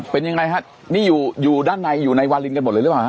เป็นยังไงฮะนี่อยู่อยู่ด้านในอยู่ในวาลินกันหมดเลยหรือเปล่าฮ